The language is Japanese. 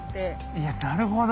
いやなるほど。